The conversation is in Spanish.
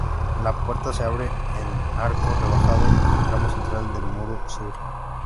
La puerta se abre, en arco rebajado, en el tramo central del muro sur.